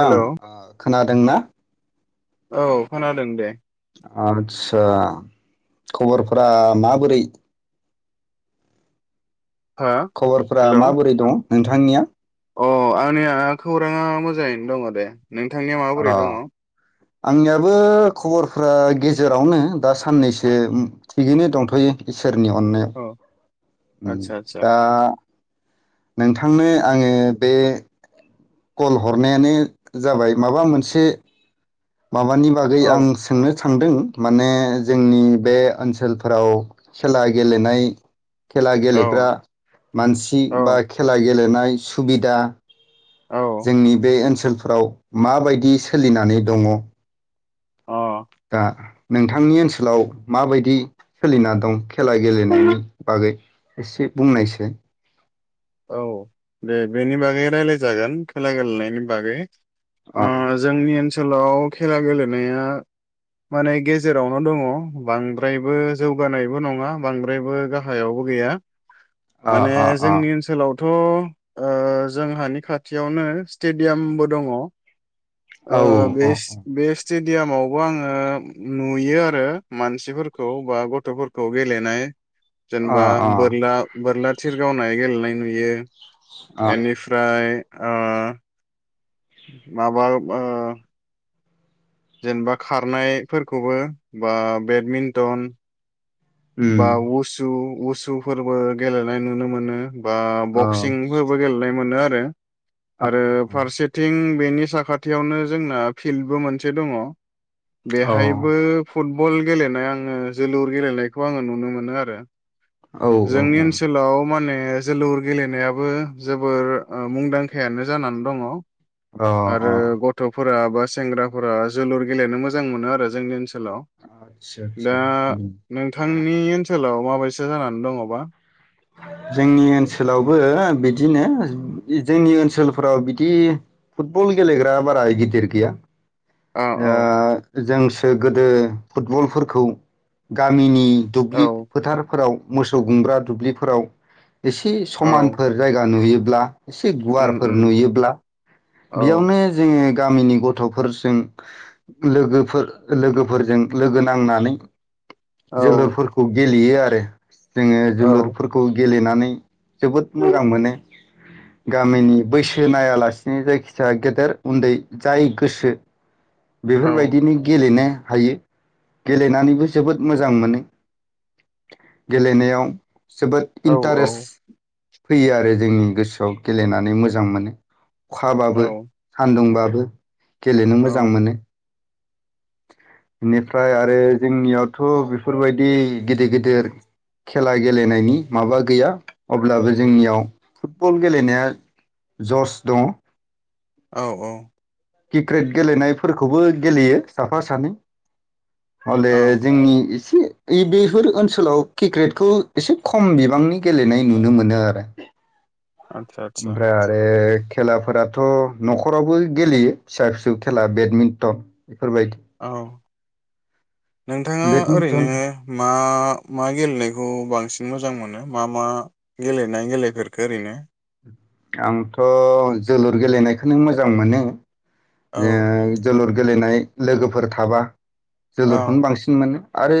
Hello ओं ओ। खोनादोंना? औ खोनादों दे। आदसा खबरफोरा माबोरै? हो खबरफोरा हेलौ माबोरै दं? नोंथांनिया? अ आंनिया खौराङा मोजाङैनो दङ दे। नोंथांनिया अ माबोरै दङ? आंनियाबो खबरफोरा गेजेरावनो दा साननैसो थिगैनो दंथ'यो एसे। इसोरनि अननायाव आदसा आदसा दा नोंथांनो आङो बे कल हरनायानो जाबाय माबा मोनसे माबानि बागै आं औ सोंनो सानदों माने जोंनि बे ओनसोलफोराव खेला गेलेनाय खेला गेलेग्रा औ मानसि बा औ खेला गेलेनाय सुबिदा औ जोंनि बे ओनसोला ओनसोलफ्राव माबायदि सोलिनानै दङ। अ गा। नोंथांनि ओनसोलाव माबायदि सोलिना दं खेला गेलेनायनि बागै एसे बुंनायसै। औ दे बेनि बागै रायलाय जागोन खेला गेलेनायनि बागै। ओ अ जोंनि ओनसो सोलाव खेला गेलेनाया माने गेजेरावनो दङ बांद्रायबो जौगानायबो नङा बांद्रायबो गाहायावबो गैया। अ माने अ अ जोंनि ओनसो गथ ओ जोंहानि खाथियावनो स्टेडियामबो दङ। ओ औ अ बेस बेसद स्टेडियामावबो आङो नुयो आरो मानसिफोरखौ बा गथफोरखौ गेलेनाय। अ जेनबा अ बोरला बोरलाथ थिर गावनाय गेलेनायख नुयो। अ एनिफ्राय। ओ। माबाब ओ। जेनबा खारनायफोरखौबो बा बेदमिन्टन। उम बा उसु उस सुफोरबो गेलेनाय नुनो मोनो। बा अ बक्सिंफोरबो गेलेनाय मोनोआ [unintelligible] अ आरो फारसेथिं बेनि साखाथियावनो जोंना फिल्डबो मोनसे दङ। औ बेहायबोफ फुटबल गेलेनाय आङो जोलुर गेलेनायख खौ आङो नुनो मोनो आरो। औ जोंनि औ ओनसोलाव माने। ओ जोलुर गेलेनायाबो जोबोर ओ मुंदांखायानो जानानै दङ। अ आरो गथफोरा बा सेंग्राफोरा जोलुर गेलेनो मोजां मोनो आरो जोंनि ओनसोल आतसा सा उम नोथांनि ओनसोलाव माबायसा जानानै दङबा? जोंनि ओनसोलावबो बिदिनो जोंनि ओनसोलफोराव फुतबल गेलेग्रा बारा गिदिर गैया औ औ ओ जोंस सो गोदो फुटबलफोरखौ गामिनि। औ दुब्लि फोथारफोराव। मोसौ गुमग्रा दुब्लिफोराव एसे औ समानफोर जायगा नुयो ब्ला एसे उम गुवारफोर उम नुयोब्ला औ बेयावनो जों गामिनि गथ'फोरजों लोगोफोर लोगोफोरजों लोगो नांनानै औ जोलुरफोरखौ गेलेयो आरो जोङो औ जोलुरफोरखौ गेले नानै जोबोद मोजां मोनो गामिनि बैसो नायालासे बिनि जायखिजाया गेदेर उन्दै जाय गोसो औ बेफोरबायदिनो गेलेनो हायो गेलेनानैबो जोबोद मोजां मोनो गेलेनायाव जोबोद औ इन्टारेस्ट फैयो आरो जोंनि गोसोआव गेलेनानै मोजां मोनो अखाबाबो सान्दुंबाबो गेलेनो औ मोजां मोनो बेनिफ्राय आरो जोंनियावथ' बेफोरबायदि गिदिर गिदिर खेला गेलेनायनि माबा गैया अब्लाबो जोंनियाव फुटबल गेलेनाया जस दङ औ औ किक्रेट गेलेनायफोरखौबो गेलेयो साफा सानै हले औ जोंनि एसे इ बेफोर ओनसोलाव किक्रेटखौ एसे खम बिबांनि गेलेनाय नुनो मोनो आरो। आतसा आतसा ओमफ्राय आरो खेलाफोराथ' न'खरावबो गेलेयो फिसा फिसौ खेला बेडमिन्टन बेफोरबायदि औ नोंथाङा बेडमिन्टन ओरैनो मा मा गेलेनायखौ बांसिन मोजां मोनो मा मा गेलेनाय गेलेफोरखौ ओरैनो? आंथ' जोलुर गेलेनायखौनो मोजां मोनो औ जों जोलुर गेलेनाय लोगोफोर थाबा औ जोलुरखौनो बांसिन मोनो आरो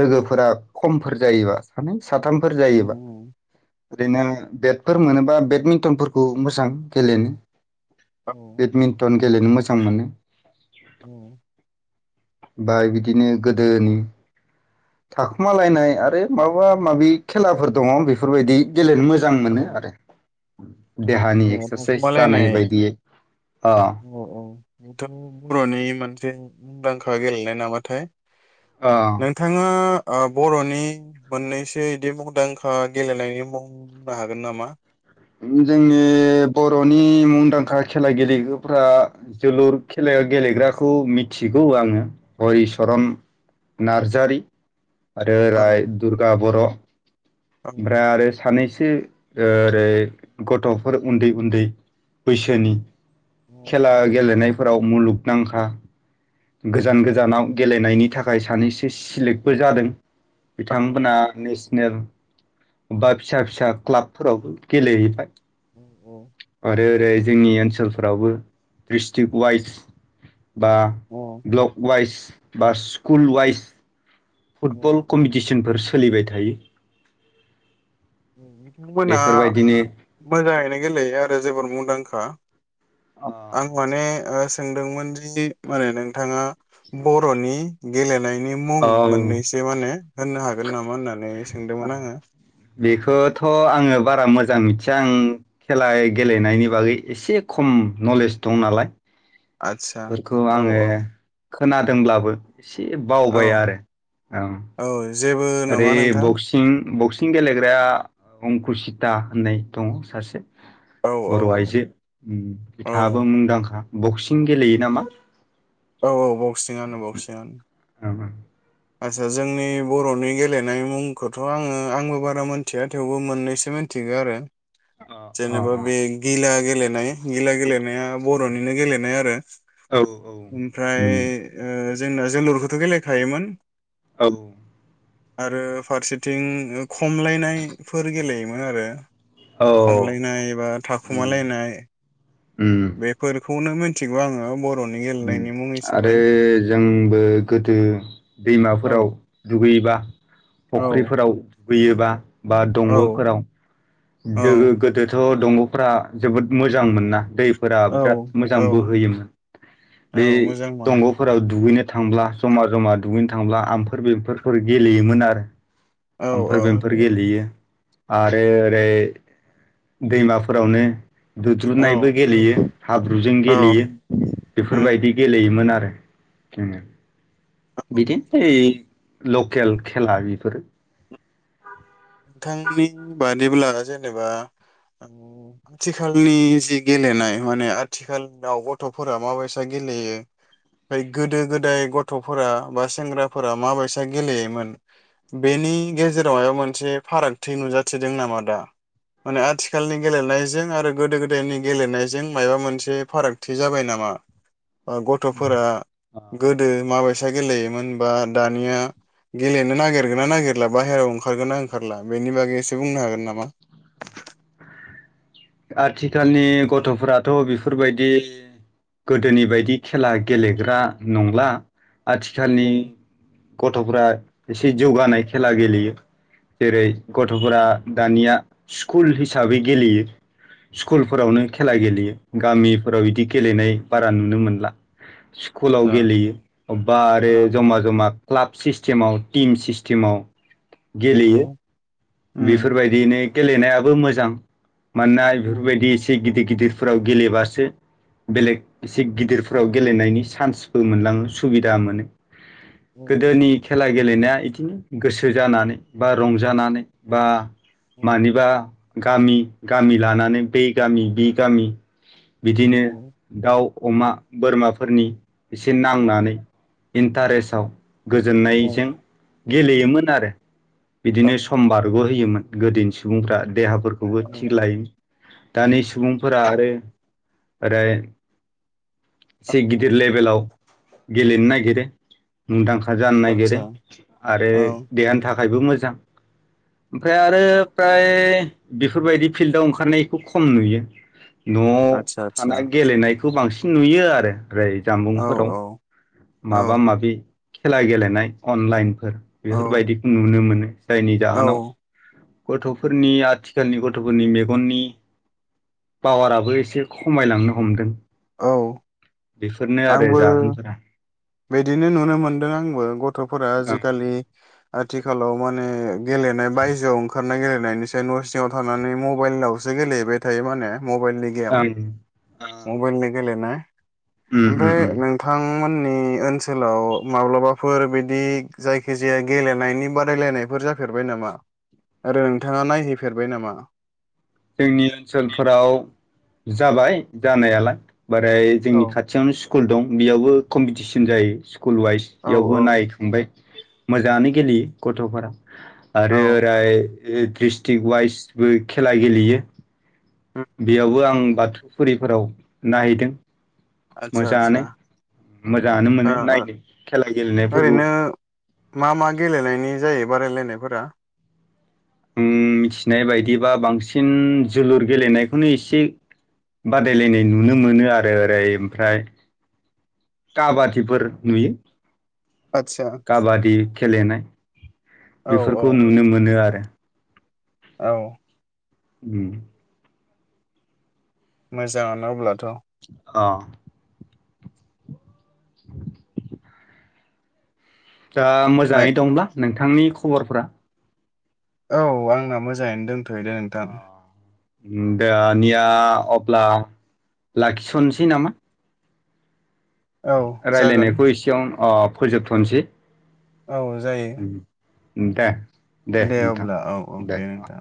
लोगोफोरा खमफोर जायोबा सानै साथामफोर जायोबा ओरैनो बेटफोर मोनोबा बेटमि टनफोरखौ मोजां गेलेनो औ बेट मिनटन गेलेनो मोजां मोनो। औ। बा बिदिनो गोदोनि थाखुमालायनाय आरो माबा माबि खेलाफोर दङ बेफोरबायदि गेलेनो मोजां औ मोनो आरो। [inaudible] देहानि औ एक्सारसाइस जानाय थाखुमालायनाय बायदियै ओ औ औ बेथ' बर'नि मोनसे मुंदांखा गेलेनाय नामाथाय? अ नोंथाङा ओ बर'नि मोननैसो बिदि मुंदांखा गेलेनायनि मुं होननो हागोन नामा? जोंनि बर'नि मुंदांखा खेला गेलेग्राफ्रा जोलुर खेलायाव गेलेग्राखौ मिथिगौ आङो हलिचरन नार्जारि। आरो औ राय दुर्गा बर'। औ ओमफ्राय आरो सानैसो सो ओरै गथ'फोर उन्दै उन्दै बैसोनि खेला गेलेनायफोराव मुलुगनांखा गोजान गोजानाव गेलेनायनि थाखाय सानैसो सिलेक्टबो जादों। औ बिथांमोना नेस नेल बा फिसा फिसा क्लाबफोरावबो गेलेहैबाय। औ आरो बे जोंनि ओनसोलफोरावबो ड्रिस्ट्रिक वाइस बा औ ब्लक वाइस बा स्कुल वाइस फुटबल औ कमिटिसिनफोर्स सोलिबाय थायो। औ बिथांमोना बेफोरबायदिनो मोजाङैनो गेलेयो आरो जोबोर मुं दांखा आं माने ओ सोंदोंमोन जि माने नों नोंथाङा बर'नि गेलेनाय नि मुं औ मोननैसो माने होननो हागोन नामा होननानै सोंदोंमोन आङो। बेखोथ' आङो बारा मोजां मिथिया आं खेला गेलेनायनि बागै एसे खम नलेज दं नालाय आच्छा बेफोरखौ औ आङो औ। खोनादोंब्लाबो से औ बावबाय आरो ओं। औ जेबो आरे नङा नोंथां बक्सिं बकसि सिं गेलेग्राया अंकुसिता होननाय दङ सासे औ औ बर' आइजो उम औ बिथाङाबो मुंदांखा। बक्सिं गेलेयो नामा? औ औ बक्सिंआनो बक्सिंआनो ओं ओं आच्छा जोंनि बर'नि गेलेनाय मुंखोथ' आङो आंबो बारा मोनथिया थेवबो मोननैसो मिथिगो आरो। अ अ जेनेबा बे गिला गेलेनाय गिला गेलेनाया बर'निनो गेलेनाय आरो अ औ औ ओमफ्राय उम ओ जोंना जोलुरखोथ' गेलेखायोमोन औ आरो फारसेथिं ओ खमलायनायफोर गेलेयोमोन आरो। औ खमलायनाय बा उम थाखुमालायनाय उम बेफोर खौनो मिथिगौ आङो ब आरो जोंबो गोदो औ दैमाफोराव दुगैबा औ फख्रिफोराव हुयोबा बा औ दंग'फोराव औ दोहो गोदोथ' दंग'फ्रा जोबोद मोजां मोनना दै फोरा औ बिराद मोजां औ बोहोयोमोन। औ बे मोजां मोन दंग'फोराव दुगैनो थांब्ला जमा जमा दुगैनो थांब्ला आमफोर बेफोरफोर गेलेयोमोन आरो। औ ओमफ्राय औ बेमफोर गेलेयो। आरो ओरै दैमाफोरावनो औ दुद्रुनायबो गेलेयो हाब्रुजों उम गेलेयो औ बेफोरबायदि गेलेयोमोन आरो। [inaudible] बिदि ऐ लकेल खेला बेफोरो नोंथांनि बादिब्ला जेनेबा ओं आथिखालनि जि गेलेनाय माने आथिखालाव गथ'फोरा माबायसा गेलेयो ब गोदो गोदाय गथ'फोरा बा सेंग्राफोरा माबायसा गेलेयोमोन? बेनि गेजेरावहाय मोन मोनसे फारागथि नुजाथिदों नामा? दा माने आथिखालनि गेलेनायजों आरो गोदो गोदायनि गेलेनायजों माबा मोनसे फारागथि जाबाय नामा? अ गथ'फोरा गोदो माबायसा गेलेयोमोन बा दानिया गेलेनो नागिरगोना नागिरला बाहेरायाव ओंखारगोना ओं खारला बेनि बागै एसे बुंनो हागोन नामा? आथिखालनि गथ'फोराथ' बेफोरबायदि गोदोनि बायदि खेला गेलेग्रा नंला। आथिखालनि गथ'फ्रा एसे जौगानाय खेला गेलेयो। जेरै गथ'फोरा दानिया स्कुल हिसाबै गेलेयो। स्कुलफोरावनो खेला गेलेयो गामिफोराव इदि गेलेनाय बारा नुनो मोनला। स्कुलाव आतसा गेलेयो अबबा आरो औ ज'मा ज'मा क्लाब सिस्टेमाव टिम सिस्टेमाव गेलयो। उम बेफोरबायदियैनो गेलेनायाबो मोजां मानोना औ इफोर बायदि इसे गिदिद गिदिरफोराव गेलेबासो बेलेग एसे गिदिरफोराव गेलेनायनि चान्सबो मोनलाङो सुबिदा मोनो। औ गोदोनि खेला गेलेनाया इदिनो गोसो जानानै बा रंजानानै बा मानिबा गामि, गामि लानानै बै गामि बि गामि बिदिनो दाउ अमा बोरमाफोरनि एसे नांनानै इन्टारेस्टआव गोजोननायजों गेलेयोमोन आरो औ बिदिनो होयोमोन गोदोनि सुबुंफ्रा देहाफोरखौबो थिग औ लायो दानि सुबुंफोरा आरो ओरै एसे औ गिदिर लेभेलाव गेलेनो नागिरो मुंदांखा जानो नागिरो आतसा आरो औ देरहानो था थाखायबो मोजां ओमफ्राय आरो फ्राय बेफोरबायदि फिल्डआव ओंखारनायखौ खम नुयो। न'आव आतसा आतसा थानाय गेलेनाय बेखौ बांसिन नुयो आरो। ओफ्राय औ जामबुंफोराव औ औ माबा माबि खेला गेलेनाय अनलाइन औ बेफोरबायदिखौ नुनो मोनो जायनि औ जाहोनाव गथ'फोरनि आथिखालनि गथ'फोरनि मेगननि पावाराबो एसे खमायलांनो हमदों। औ बेफोरनो आरो आंबो जाहोनफोरा बिदिनो नुनो मोनदों आंबो गथ'फोरा ओं आजिखालि आथि खालाव माने गेलेनाय बायजोआव ओंखार [unintelligible] गेलेनायनिसायाव न' सिङाव थानानै मबाइलावसो गेलेहैबाय थायो माने। मबाइलनि गेम ओं मबाइलनि गेलेनाय उम उम ओमफ्राय उम नोंथां मोननि ओनसोलाव माब्लाबाफोर बिदि जायखि जाया गेलेनायनि बादायलायनायफोर जाफेरबाय नामा आरो नोंथाङा नायहैफेरबाय नामा? जोंनि ओनसोलफोराव जाबाय जानायालाय बाराय जोंनि औ खाथियावनो [unintelligible] स्कुल दं बेयावबो कम्पिटिसन जायो। स्कुलवास औ इयावबो औ नायखांबाय मोजाङानो गेलेयो गथ'फोरा आरो ओराय [unintelligible] दिस्ट्रिक वाइसबो खेला गेलेयो औ बेयावबो आं बाथ फुरिफोराव नायदों आदसा आदसा मोजाङानो मोनो ओ ओ नायनो खेला गेलेनायफोरखौ ओरैनो मा मा गेलेनायनि जायो। बादायलायनायफोरा उम मिथिनाय बायदिबा बांसिन जोलुर गेलेनायखौनो एसे बादायलायनाय नुनो मोनो आरो ओरै ओमफ्राय काबादिफोर नुयो। आदसा काबादि खेलेनाय औ औ बेफोरखौ नुनो मोनो आरो औ उम मोजाङानो अब्लाथ' अ। [inaudible] दा ओमफ्राय मोजाङै दंब्ला नोंथांनि खबरफ्रा? औ आंना मोजाङैनो दोनथ'योैदे नोंथां। दानिया अब्ला लाखिथ'सै नामा? औ जागोन रायज्लायनायखौ एसेयाव अ फोजोबथनसै। औ जायो। दे। दे अब्ला औ औ दे नोंथां।